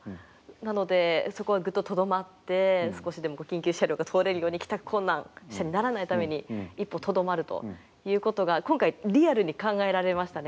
なのでそこはグッととどまって少しでも緊急車両が通れるように帰宅困難者にならないために一歩とどまるということが今回リアルに考えられましたね。